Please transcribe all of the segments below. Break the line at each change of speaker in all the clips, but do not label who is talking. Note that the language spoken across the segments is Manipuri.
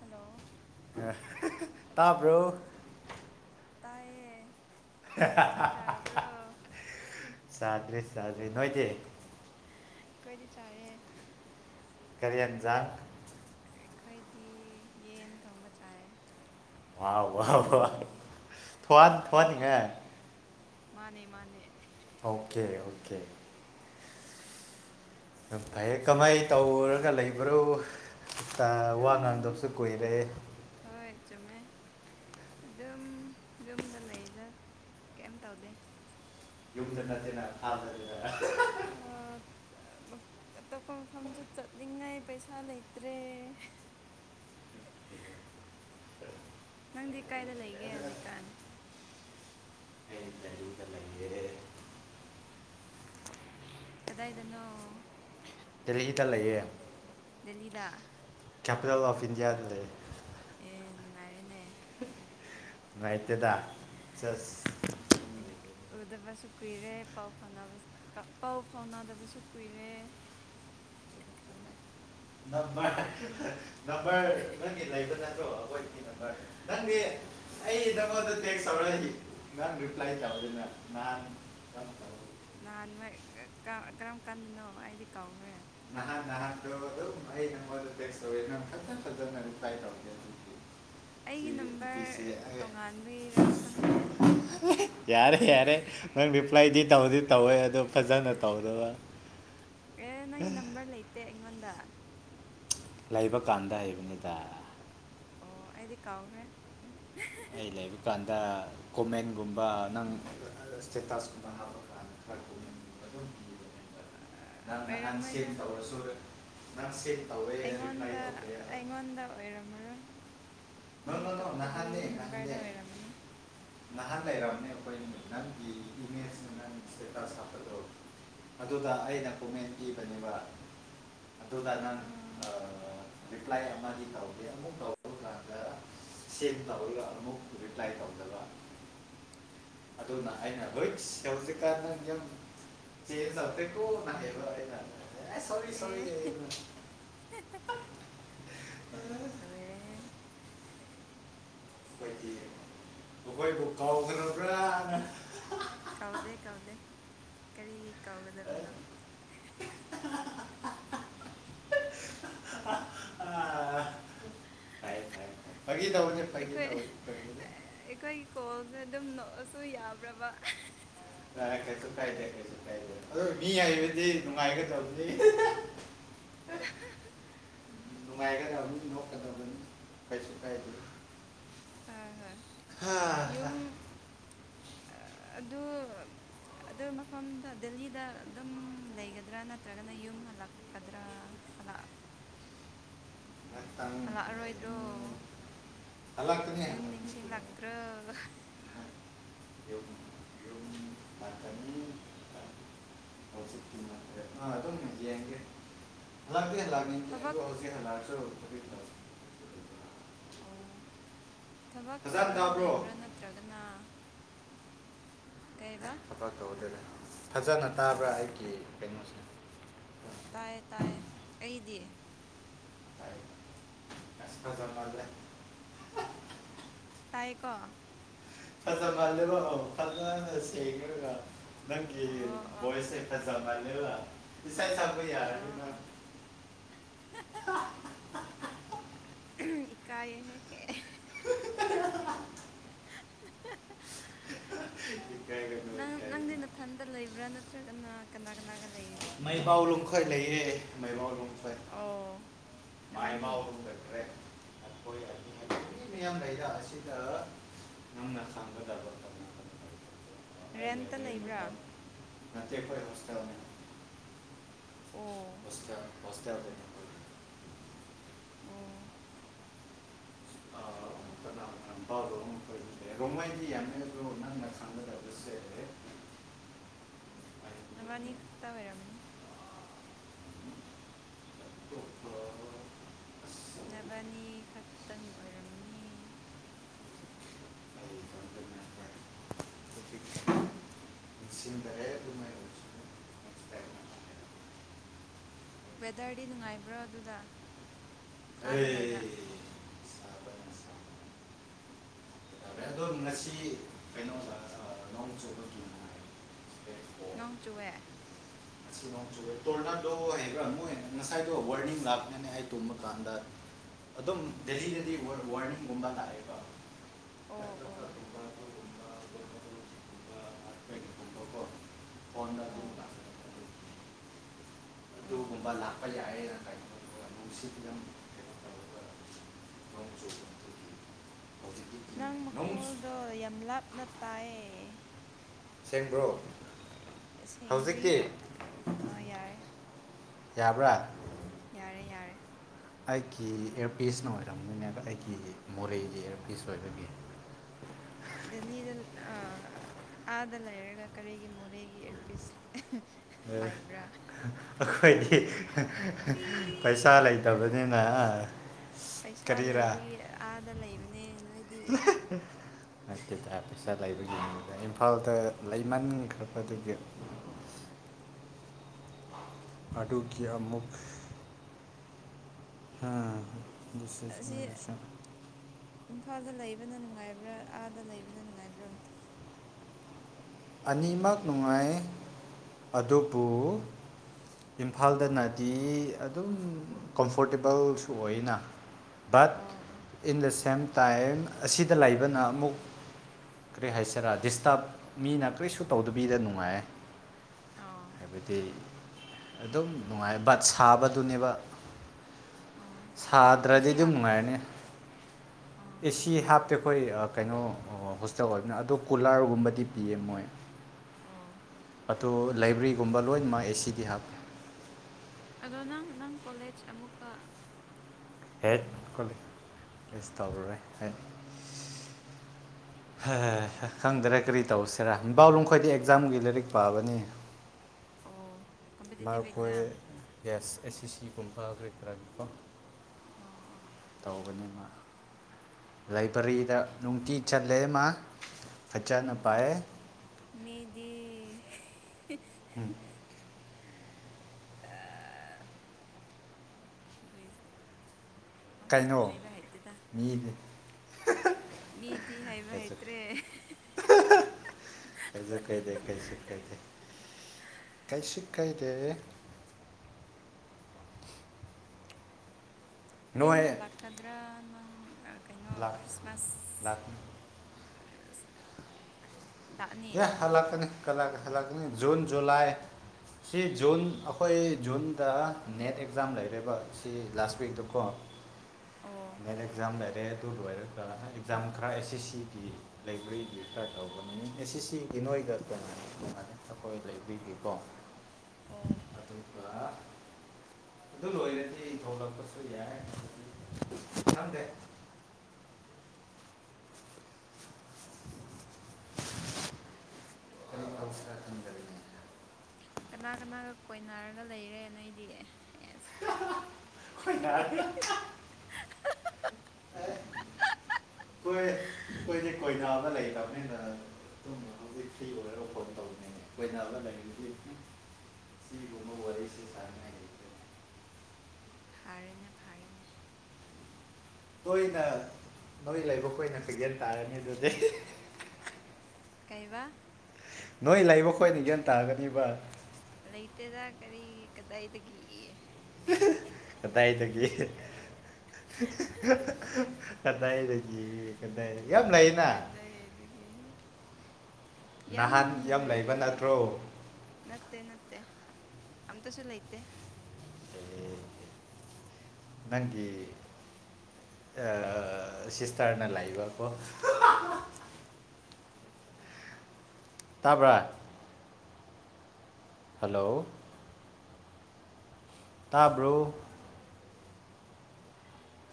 ꯍꯜꯂꯣ
ꯇꯥꯕ꯭ꯔꯣ
ꯇꯥꯏꯌꯦ ꯆꯥꯛ ꯆꯥꯔꯕ꯭ꯔꯣ ꯑꯩꯈꯣꯏꯗꯤ
[inaudible] ꯆꯥꯗ꯭ꯔꯤ ꯆꯥꯗ꯭ꯔꯤ ꯅꯣꯏꯗꯤ
ꯀꯣꯏꯗꯤ ꯆꯥꯔꯦ
ꯀꯔꯤ ꯌꯦꯟꯖꯥꯡ
ꯑꯩꯈꯣꯏꯗꯤ ꯌꯦꯟ ꯊꯣꯡꯕ ꯆꯥꯏ
ꯋꯥ ꯋꯥ ꯋꯥ ꯊꯋ꯭ꯥꯟ
ꯍꯣꯏ
ꯊꯣꯀꯅꯈꯔ꯭ꯦ
ꯃꯥꯅꯦ ꯃꯥꯅꯦ
ꯑꯣꯀꯦ ꯑꯣꯀꯦ ꯎ ꯐꯩꯌꯦ ꯀꯃꯥꯏ ꯇꯧꯔꯒ ꯂꯩꯕ꯭ꯔꯣ ꯇ ꯎ
ꯑꯗꯨꯝ
ꯑꯉꯅꯗꯁ ꯈꯨꯔꯦ
ꯍꯣꯏ ꯆꯨꯝꯃꯦ ꯑꯗꯨꯝ ꯌꯨꯝꯗ ꯂꯩꯗ ꯀꯩꯝ ꯇꯧꯗꯦ
ꯌꯨꯝꯗ ꯅꯠꯇꯦꯅꯥ ꯑꯊꯥꯞꯄ ꯗꯅꯤ
ꯑꯇꯣꯞꯄ ꯃꯐꯝꯁꯨ ꯆꯠꯅꯤꯡꯉꯥꯏ ꯄꯩꯁꯥ ꯂꯩꯇ꯭ꯔꯦ ꯅꯪꯗꯤ ꯀꯥꯏꯗ ꯂꯩꯒꯦ ꯍꯧꯖꯤꯛꯀꯥꯟ
ꯑꯩ ꯗꯦꯜꯂꯤꯗ ꯂꯩꯌꯦ
ꯀꯗꯥꯏꯗꯅꯣ
ꯗꯦꯜꯂꯤ ꯇ ꯂꯩꯌꯦ
ꯂꯤꯗꯥ
ꯀꯦꯄꯤꯇꯜ ꯑꯣꯐ ꯏꯟꯗꯤꯌꯥ ꯗ ꯂꯩ
ꯑꯦ ꯅꯨꯡꯉꯥꯏꯔꯅꯦ
[inaudible] ꯅꯨꯉꯥꯏꯇꯦꯗꯥ ꯆꯁ
ꯎꯗꯕꯁꯨ ꯀꯨꯏꯔꯦ ꯄꯥꯎ ꯐꯥꯎꯅꯕ ꯄꯥꯎ ꯐꯥꯎꯅꯗꯕꯁꯨ ꯀꯨꯏꯔꯦ
ꯅꯝꯕ ꯅꯝꯕꯔ ꯅꯪꯒꯤ ꯂꯩꯕ ꯅꯠꯇ꯭ꯔꯣ ꯑꯩꯈꯣꯏ ꯅꯝꯕꯔ ꯅꯪꯗꯤ ꯑꯩ ꯅꯪꯉꯣꯟꯗ ꯇꯦꯛꯁ ꯇꯧꯔꯛꯗꯤ ꯅꯪ ꯔꯤꯄ꯭ꯂꯥꯏ ꯇꯧꯅꯤꯅ ꯅꯍꯥꯟ
ꯅꯍꯥꯟꯣꯏ ꯀꯔꯝ ꯀꯥꯟꯗꯅꯣ ꯑꯩꯗꯤ ꯀꯧꯈ꯭ꯔꯦ
ꯅꯍ ꯅꯍꯥꯟ ꯇꯣꯩ ꯅꯪ ꯑꯗꯨ ꯇꯁꯦꯅ ꯈ ꯅ ꯇ
ꯑꯩꯒꯤ
ꯁꯤꯒꯤ ꯅꯨꯄꯤꯁꯦ
ꯅꯝꯕꯔ ꯇꯣꯉꯥꯟꯕꯒꯤꯔ ꯈꯪꯗꯦ
ꯌꯥꯔꯦ ꯌꯥꯔꯦ ꯅꯥꯪꯗꯤ ꯑꯦꯄ꯭ꯂꯥꯏꯗꯤ ꯇꯧꯗꯤ ꯇꯧꯋꯦ ꯑꯗꯣ ꯐꯖꯅ ꯇꯧꯔꯒ
ꯑꯦ ꯅꯪ ꯅꯝꯕꯜ ꯂꯥꯏꯇ ꯑꯩꯉꯣꯟꯗ
ꯂꯩꯕ ꯀꯥꯟꯗ ꯍꯩꯕꯅꯤꯗ
ꯑꯣ ꯑꯩꯗꯤ ꯀꯥꯎꯈ꯭ꯔꯦ
ꯑꯩ ꯂꯩꯕ ꯀꯥꯟꯗ ꯀꯣꯃꯦꯟꯒꯨꯝꯕ ꯅꯪ ꯏꯁꯇꯦꯇꯥꯁꯀꯨꯝꯕ ꯍꯥ ꯅꯪꯅ ꯍꯥꯟꯁꯤ
ꯑꯣꯏꯔꯝꯃꯣꯏꯗ
ꯇꯧꯔꯁꯨꯨꯔ ꯅꯪꯁꯦ
ꯑꯩꯉꯣꯟꯗ ꯑꯩꯉꯣꯟꯗ ꯑꯣꯏꯔꯝꯃꯔꯣꯏ
ꯅꯣ
ꯃꯤ
ꯅꯣ ꯅꯣ
ꯑꯇꯣꯞꯄꯒꯤ ꯅꯝꯕꯔꯗ ꯑꯣꯏꯔꯝꯃꯅꯦ
ꯂꯍꯥ ꯂꯩꯔꯅꯦꯈꯣꯏ ꯒꯤ ꯏꯃꯦꯖꯦꯇ ꯁꯥ ꯑꯣ ꯑꯗꯨꯒꯗ ꯑꯩꯅ ꯀꯣꯃꯦꯟ ꯄꯤꯕꯅꯦꯕ ꯗꯣ ꯀꯥꯟꯅꯥꯡ
ꯑꯥ
ꯑ ꯔꯤꯄ꯭ꯂꯥꯏ ꯑꯃꯒꯤ ꯇꯧꯒꯦ ꯑꯃꯨꯛ ꯇꯧꯔ ꯇꯧꯔꯒ ꯑꯃꯨꯛ ꯔꯤꯄ꯭ꯂꯥꯏ ꯇꯧꯖꯕ ꯑꯗꯨꯅ ꯑꯩꯅ ꯍꯧꯖꯤꯛ ꯍꯧꯖꯤꯛꯀꯥꯟꯗ ꯅꯤꯌꯝ ꯆꯦꯟꯖ ꯇꯧꯗ꯭ꯔꯦꯀꯣꯅꯌꯦꯕ ꯑꯩꯅ ꯑꯦ ꯁꯣꯔꯤ
ꯑꯦ
ꯁꯣꯔꯤ ꯑ
ꯂꯣꯏꯔꯦꯍꯦ
ꯈꫭꯏꯗꯤ ꯑꯩꯈꯣꯏꯕꯨ ꯀꯥꯎꯈꯔꯕ꯭ꯔꯅ
ꯀꯥꯎꯗꯦ-ꯀꯥꯎꯗꯦ ꯀꯔꯤꯒꯤ ꯀꯥꯎꯒꯗꯕꯅꯦ
ꯑ ꯀꯥꯏ ꯀꯥꯏ
ꯑꯩꯈꯣꯏ ꯑꯩꯈꯣꯏ ꯀꯣꯜ ꯑꯗꯨ ꯑꯗꯨꯝ ꯅꯣꯛꯑꯁꯨ ꯌꯥꯕ꯭ꯔꯕ
ꯅ ꯀꯩꯁꯨ ꯀꯥꯏꯗꯦ ꯀꯩꯁꯨ ꯀꯥꯏꯗꯦ꯫ ꯑꯗꯣ ꯃꯤ
ꯑꯣ
ꯍꯥꯏꯕꯗꯤ ꯅꯨꯡꯉꯥꯏꯒ ꯒꯗꯕꯅꯤ ꯅꯨꯡꯉꯥꯏꯗꯕꯅꯤ ꯅꯣꯛꯀꯗꯕꯅꯤ ꯀꯩꯁꯨ ꯀꯥꯏꯗꯦ꯫
ꯍꯣꯏ ꯍꯣꯏ ꯌꯨꯝ ꯑꯗꯨ ꯑꯗꯨ ꯃꯐꯝꯗ ꯗꯦꯜꯂꯤꯗ ꯑꯗꯨꯝ ꯂꯩꯒꯗ꯭ꯔꯥ ꯅꯠꯇ꯭ꯔꯒꯅ ꯌꯨꯝ ꯍꯜꯂꯛꯀꯗ꯭ꯔꯥ ꯍꯜꯂꯛ ꯍꯜꯂꯛꯑꯔꯣꯏꯗ꯭ꯔꯣ ꯌꯨꯝ ꯅꯤꯡꯁꯤꯡꯂꯛꯇ꯭ꯔꫭ꯫
[inaudible] ꯂꯥꯛꯅꯤꯡꯕꯅꯦ
ꯊꯕꯛ
ꯑꯗꫭ ꯍꯧꯖꯛꯤ ꯍꯥꯂꯛꯑ [inaudible]
ꯑꯣ ꯊꯕꯛ
ꯐꯖꯅ
ꯇꯧꯔꯒ
ꯇꯥꯕ꯭ꯔꯣ
ꯂꯩꯕ꯭ꯔꯥ ꯅꯠꯇ꯭ꯔꯒꯅ ꯀꯩꯕ
[unintelligible] [inaudible] ꯐꯖꯅ ꯇꯥꯕ꯭ꯔꯥ ꯑꯩꯒꯤ ꯀꯩꯅꯣꯁꯦ꯫
ꯇꯥꯏ ꯇꯥꯏ ꯑꯩꯗꯤ
ꯇꯥꯏ ꯇꯥꯏ ꯑꯁ ꯐꯖꯃꯜꯂꯦ꯫
ꯇꯥꯌꯦꯀꯣ꯫
ꯐꯖꯃꯜꯂꯦꯕ ꯐꯖꯅ ꯁꯦꯡꯑꯒ ꯅꯪꯒꯤ
ꯑꯣ ꯑꯣ
ꯚꯣꯏꯁꯁꯦ ꯐꯖꯃꯜꯂꯦꯕ꯫ [inaudible] [unintelligible] ꯄ ꯌꯥꯔꯅꯤ
ꯑꯥ ꯑꯥ
ꯅꯪ--꫰
ꯀꯥꯏꯌꯦꯍꯦ꯫
ꯏꯀꯥꯏꯒꯅꯨ
ꯅꯪ ꯅꯪꯗꯤ
ꯏꯀꯥꯏꯒꯅꯨ
ꯅꯊꯟꯗ ꯂꯩꯕ꯭ꯔꯥ ꯅꯠꯇ꯭ꯔꯒꯅ ꯀꯅꯥ ꯀꯅꯥꯒ ꯂꯩ
ꯃꯩ ꯄꯥꯎ
ꯂꯩꯃꯤꯟꯅꯒꯦ
ꯂꯨꯝ ꯈꫭꯏ ꯂꯩꯌꯦ
ꯑꯣ
[unintelligible] [inaudible]
ꯅꯕꯥꯅꯤ
ꯃꯥꯏꯃꯥꯎꯒꯨꯝꯅꯈ꯭ꯔꯦ ꯈꫭꯏ ꯑꯅꯤ ꯃꯤ ꯌꯥꯝ ꯂꯩ ꯑꯁꯤ ꯑꯁꯤꯗ ꯅꯪꯅ ꯈꯡꯒꯗꯕ ꯀꯅꯥ‌ꯀꯅꯥ ꯂꯩ
ꯔꯦꯟꯇ ꯂꯩꯕ꯭ꯔꯥ꯫
ꯅꯠꯇꯦ ꯈꯣꯏ ꯍꯣꯁꯇꯦꯜꯅꯦ
ꯑꯣ
ꯍꯣꯁꯇꯦꯜ ꯍꯣꯁ [unintelligible]
ꯑꯣ
ꯑ ꯀꯅꯥ ꯄ [unintelligible] ꯔꯣꯃꯩꯗꯤ ꯌꯥꯝꯃꯦ ꯑꯗꯨ ꯅꯪꯅ ꯈꯪꯅꯗꯕꯁꯦ
[inaudible] ꯅꯕꯥꯟꯅꯤ ꯈꯛꯇ ꯑꯣꯏꯔꯝꯃꯅꯤ꯫
ꯣ [unintelligible]
ꯇꯪ ꯑꯣꯏꯔꯝꯃꯅꯤ ꯋꯦꯗꯔꯗꯤ ꯅꯨꯡꯉꯥꯏꯕ꯭ꯔꯣ ꯑꯗꯨꯗ ꯑꯗ ꯂꯩꯕ
ꯑꯗꯨꯝ ꯉꯁꯤ ꯀꯩꯅꯣ ꯅꯨꯡꯉꯥꯏ
ꯅꯣꯡ ꯆꯨꯋꯦ
ꯉꯁꯤ ꯅꯣꯡ ꯆꯨꯋꯦ ꯇꯣꯔꯅꯥꯗꯣ ꯍꯕ꯭ꯔꯥ ꯃꯣꯏ ꯉꯁꯥꯏꯗꯣ ꯋꯥꯔꯅꯤꯡ ꯂꯥꯛꯄꯅꯤ ꯑꯩ ꯇꯨꯝꯕ ꯀꯥꯟꯗ ꯑꯗꯨꯝ ꯗꯦꯜꯂꯤꯗꯦꯗꯤ ꯋꯥ ꯋꯥꯔꯅꯤꯡꯒꯨꯝꯕ ꯂꯥꯛꯑꯦꯀꯣ
ꯑꯣ ꯑꯣ
[unintelligible] ꯑꯥꯔꯠꯀ꯭ꯋꯦꯛ ꯀꯨꯝꯕꯀꯣ ꯐꯣꯟꯗꯁꯨ
ꯑꯣ
[unintelligible]
ꯑꯣ
ꯑꯗꯨꯒꯨꯝꯕ ꯂꯥꯛꯄ ꯌꯥꯏꯌꯦꯅ [unintelligible] ꯅꯨꯡꯁꯤꯠꯅ [unintelligible] ꯀꯩꯅꯣ ꯇꯧꯔꯒ ꯅꯣꯡ ꯆꯨ [unintelligible]
ꯅꯪ
ꯏꯪꯉꯦ ꯅꯣꯡ
ꯃꯈꯣꯜꯗꯣ ꯌꯥꯝ ꯂꯥꯞꯅ ꯇꯥꯌꯦ
ꯕ꯭ꯔꯣ
ꯁꯦꯡꯗ꯭ꯔꯤ ꯑ ꯌꯥꯔꯦ
ꯌꯥꯕ꯭ꯔꯥ
ꯌꯥꯔꯦ ꯌꯥꯔꯦ
ꯑꯩꯀꯤ ꯏꯌꯥꯔꯄꯤꯁꯅ ꯑꯣꯏꯔꯝꯅꯤꯕ ꯑꯩꯒꯤ ꯃꯣꯔꯦꯒꯤ ꯏꯌꯔꯄꯤꯁ ꯑꯣꯏꯕꯒꯤ
ꯗꯦꯜꯂꯤꯗ ꯑꯥ ꯑꯥꯗ ꯂꯩꯔꯒ ꯀꯔꯤꯒꯤ ꯃꯣꯔꯦꯒꯤ ꯑꯦꯔꯄꯤꯁ [unintelligible]
ꯑꯥ ꯑꯈꯣꯏꯗꯤ ꯄꯩꯁꯥ ꯂꯩ ꯗꯕꯅꯤꯅ
ꯄꯩꯁꯥ ꯂꯩꯕꯒꯤ ꯑꯥꯗ ꯂꯩꯕꯅꯦ ꯅꯣꯏ
ꯅꯠꯇꯦ ꯊꯄꯤꯁ [unintelligible] ꯂꯩꯕꯒꯤ ꯑꯗꯨꯗ ꯏꯝꯐꯥꯜꯗ ꯂꯩꯃꯟꯈ꯭ꯔꯄ ꯗꯨꯒꯤ ꯑꯗꯨꯒꯤ ꯑꯃꯨꯛ ꯕꯤꯁꯦꯁ
ꯑꯁꯤ
ꯃꯔ [unintelligible]
ꯏꯝꯐꯥꯜꯗ ꯂꯩꯕꯅ ꯅꯨꯡꯉꯥꯏꯕ꯭ꯔꯥ ꯑꯥꯗ ꯂꯩꯕꯅ ꯅꯨꯡꯉꯥꯏꯕ꯭ꯔꯣ
ꯑꯅꯤꯃꯛ ꯅꯨꯡꯉꯥꯏ ꯑꯗꯨꯕꯨ ꯏꯝꯐꯥꯜꯗꯅꯗꯤ ꯑꯗꯨꯝ ꯀꯣꯝꯐꯣꯔꯇꯦꯕꯜꯁꯨ ꯑꯣꯏꯌꯦꯅ꯫ ꯕꯠ
ꯑꯣ ꯑꯣ
ꯏꯟ ꯗꯥ ꯁꯦꯝ ꯇꯥꯏꯝ ꯑꯁꯤꯗ ꯂꯩꯕꯅ ꯑꯃꯨꯛ ꯀꯔꯤ ꯍꯥꯏꯁꯤꯔꯥ ꯗꯤꯁꯇꯕ ꯃꯤꯅ ꯀꯔꯤꯁꯨ ꯇꯧꯗꯕꯤꯗ ꯅꯨꯡꯉꯥꯏꯌꯦ
ꯑꯣ
ꯍꯥꯏꯕꯗꯤ ꯑꯗꯨꯝ ꯅꯨꯡꯉꯥꯏ ꯕꯠ ꯁꯥꯕꯗꯨꯅꯦꯕ
ꯑꯣ
ꯁꯥꯗ꯭ꯔꯗꯤ
ꯑꯦꯁꯤ
ꯑꯗꯨꯝ
ꯍꯥꯞ
ꯅꯨꯡꯉꯥꯏꯔꯅꯤ
ꯑꯣ ꯑꯣ
ꯑꯦꯁꯤ ꯍꯥꯞꯇꯦ ꯑꯩꯈꯣꯏ ꯑꯥ ꯀꯩꯅꯣ ꯍꯣꯁꯇꯦꯜ ꯑꯣꯏꯕꯅ ꯑꯗꯣ ꯀꯨꯂꯥꯔꯒꯨꯝꯕꯗꯤ ꯄꯤꯑꯦꯝ ꯃꯣꯏ
ꯑꯣ
ꯑꯗꯨ ꯂꯥꯏꯕ꯭ꯔꯤꯒꯨꯝꯕ ꯂꯣꯏꯅꯃꯛ ꯑꯦꯁꯤꯗꯤ ꯍꯥꯞꯄꯦ
ꯑꯗꯣ ꯅꯪ ꯅꯪ ꯀꯣꯂꯦꯖ ꯑꯃꯨꯛꯀ
ꯍꯦꯠ
ꯀꯔꯤꯅꯣ
ꯀꯣꯂꯤꯛ ꯃꯤꯁ ꯇꯧꯔꯨꯔꯣꯏ ꯍꯥꯏ ꯈꯪꯗꯔꯦ ꯀꯔꯤ ꯇꯧꯁꯤꯔꯥ ꯕꯥꯎꯂꯨꯝꯈꯣꯏꯗꯤ ꯑꯦꯛꯖꯥꯝꯒꯤ ꯂꯥꯏꯔꯤꯛ ꯄꯥꯕꯅꯤ
ꯑꯣ ꯀꯝꯄꯤꯇꯤꯇꯤꯞ
ꯃꯥꯈꯣꯏ
ꯑꯦꯛꯖꯥꯝ
ꯌꯦꯁ ꯑꯦꯁ ꯑꯦ ꯁꯤꯒꯨꯝꯕ ꯀ꯭ꯔꯤꯈꯔꯥꯒꯤꯀꯣ
ꯑꯣ ꯑꯣ
ꯇꯧꯕꯅꯤ ꯃꯥ ꯂꯥꯏ ꯄꯔꯤꯗ ꯅꯨꯡꯇꯤ ꯆꯠꯂꯦ ꯃꯥ ꯐꯆꯥꯅ ꯄꯥꯏ
[unintelligible]
ꯎꯝ
ꯑꯥ ꯕꯦꯖ
ꯀꯩꯅꯣ ꯃꯤꯗꯤ
ꯃꯤꯗꯤ ꯍꯥꯏꯕ
ꯀꯩꯁꯨ
ꯍꯩꯇ꯭ꯔꯦ
ꯀꯩꯖꯨ ꯀꯩꯗꯦ ꯀꯩꯁꯨ ꯀꯩꯗꯦ ꯀꯩꯁꯨ ꯀꯥꯏꯗꯦ
ꯌꯨꯝ ꯍꯜꯂꯛꯀꯗ꯭ꯔꯥ ꯅꯪ ꯀꯩꯅꯣ
ꯂꯥꯛ
ꯈ꯭ꯔꯤꯁꯃꯥꯁ
ꯂꯥꯛ
[inaudible]
ꯌꯥ ꯍꯜꯂꯛꯀꯅꯤ ꯍꯜꯂꯛꯀꯅꯤ ꯖꯨꯟ ꯖꯨꯂꯥꯏ ꯁꯤ ꯖꯨꯟ ꯑꯩꯈꯣꯏ ꯖꯨꯟꯗ ꯅꯦꯠ ꯑꯦꯛꯖꯥꯝ ꯂꯩꯔꯦꯕ ꯁꯤ ꯂꯥꯁ ꯋꯤꯛꯇꯛꯇꯀꯣ
ꯑꯣ
ꯅꯦꯠ ꯑꯦꯛꯖꯥꯝ ꯂꯩ ꯗꯦ ꯑꯗꯨ ꯂꯣꯏꯔꯒ ꯑꯦꯛꯖꯥꯝ ꯈꯔ ꯑꯦꯁ ꯑꯦꯁ ꯁꯤꯒꯤꯗꯤ ꯂꯩꯕ꯭ꯔꯦꯔꯤꯒꯤ ꯈꯔ ꯇꯧꯕꯅꯤ ꯑꯦ ꯁꯤ ꯁꯤꯒꯤ ꯅꯣꯏꯗ ꯀꯦ ꯑꯩꯈꯣꯏ ꯂꯩꯕꯤꯒꯦꯀꯣ
ꯑꯣ
ꯑꯗꯨꯒꯥ ꯑꯗꯨ ꯂꯣꯏꯔꯗꯤ ꯊꯣꯛꯂꯛꯄꯁꯨ ꯌꯥꯏ ꯈꯪꯗꯦ ꯀꯔꯦ ꯇꯧꯁꯦꯔꯥ ꯈꯪꯗꯔꯦꯅꯦ
ꯀꯅꯥ ꯀꯅꯥꯒ ꯀꯣꯏꯅꯔꯒ ꯂꯩꯔꯦ ꯅꯣꯏꯗꯤ
ꯍꯣꯏ ꯉ ꯑꯦ ꯑꯩꯈꯣꯏꯗꯤ ꯀꯣꯏꯅꯥꯜꯗ ꯂꯩꯗꯕꯅꯤꯅ ꯍꯧꯖꯤꯛ ꯐ꯭ꯔꯤ ꯑꯣꯏꯔꯒ ꯐꯣꯟ ꯇꯧꯕꯅꯤꯅꯦ ꯀꯣꯏꯅꯥꯜꯗ ꯂꯩꯔꯤꯗꯤ ꯁꯤꯒꯨꯝꯕ ꯋꯥꯔꯤ ꯁꯤ ꯁꯥꯟꯅꯉꯥꯏ ꯂꯩ
ꯐꯥꯔꯦꯅꯦ ꯐꯥꯔꯦꯅꯦ
ꯇꯣꯏꯅ ꯅꯣꯏ ꯂꯩꯕ ꯀꯣꯏꯅ ꯄꯤꯒꯦꯜ ꯇꯥꯔꯅꯤ ꯑꯗꯨꯗꯤ
ꯀꯥꯏꯕ
ꯅꯣꯏ ꯂꯩꯕ ꯈꯣꯠꯅ [unintelligible] ꯇꯥꯒꯅꯤꯕ
ꯂꯩꯇꯗ ꯀꯔꯤ ꯀꯗꯥꯏ ꯗ ꯒꯤ
ꯀꯗꯥꯏ ꯆꯒ ꯀꯗꯥꯏ ꯇ ꯀꯗꯥ
ꯀꯗꯥꯏꯗꯒꯤ ꯌꯥꯝ
ꯅꯍꯥꯟ ꯌꯥꯝ ꯂꯩꯕ
ꯍꯥꯏꯕꯗ
ꯅꯠꯇ꯭ꯔꯣ
ꯅꯠꯇꯦ ꯅꯠꯇꯦ ꯑ ꯇꯁꯨ ꯂꯩꯇꯦ
ꯅꯪꯒꯤ ꯁꯤꯁꯇꯔꯅ ꯂꯕꯀꯣ ꯇꯥꯕ꯭ꯔ ꯍꯂꯣ ꯇꯥꯕ꯭ꯔꯣ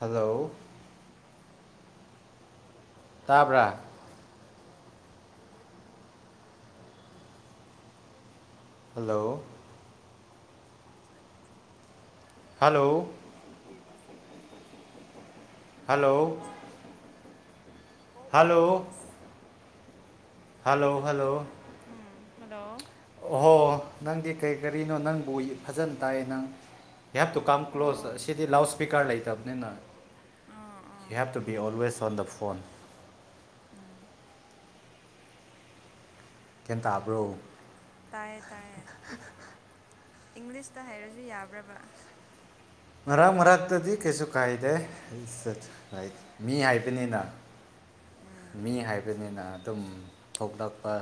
ꯍꯜꯂꯣ ꯇꯥꯕ꯭ꯔ ꯍꯜꯂꯣ
ꯆꯉꯣ [inaudible]
ꯍꯂꯣ
ꯁꯄꯔꯒ
hello
[inaudible] ꯁꯒ [inaudible] call
hello
in progress
hello
[unintelligible]
hello
ꯎꯝ ꯍꯜꯂꯣ
ꯑꯣꯍꯣ ꯅꯪꯗꯤ ꯀꯔꯤ ꯀꯔꯤꯅꯣ ꯅꯪꯕꯨ ꯐꯖꯅ ꯇꯥꯏꯌꯦ ꯅꯪ ꯍꯦ ꯇꯨ ꯀꯝ ꯀ
ꯑꯣ
ꯀ꯭ꯂꯣꯖ ꯑꯁꯤꯗꯤ ꯂꯥꯎꯑꯣꯁꯄꯤꯀꯔ ꯂ ꯇꯕꯅꯤꯅ
ꯑꯥ ꯑꯥ
he help to be always on the phone
ꯎꯝ
ꯒꯌ꯭ꯥꯟ ꯇꯥꯕ꯭ꯔꯣ
ꯇꯌꯦ ꯇꯥꯏꯌꯦ ꯏꯪꯂꯤꯁꯇ ꯍꯥꯏꯩꯔꯁꯨ ꯌꯥꯕ꯭ꯔꯕ
ꯃꯔꯥꯛ ꯃꯔꯥꯛꯇꯗꯤ ꯀꯩꯁꯨ ꯀꯥꯏꯗꯦ ꯃꯤ ꯍꯥꯏꯕꯅꯤꯅ
ꯎꯝ
ꯃꯤ ꯍꯥꯏꯕꯅꯤꯅ ꯑꯗꯨꯝ ꯊꯣꯛꯂꯛꯄ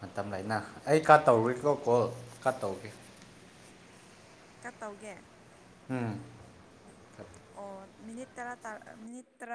ꯃꯇꯝ ꯂꯩꯅ ꯑꯩ ꯀꯥ ꯇꯧꯔꯨꯔꯤꯀꯣ ꯀꯣꯜ ꯀ ꯇꯧꯒꯦ
ꯀꯠ ꯇꯧꯒꯦ
ꯎꯝ
ꯑꯣ ꯃꯤꯅꯤꯠ ꯇꯔꯥ ꯇ ꯃꯤꯅꯤꯠ ꯇꯔꯥ